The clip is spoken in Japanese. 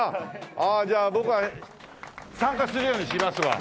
ああじゃあ僕は参加するようにしますわ。